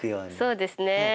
そうですね。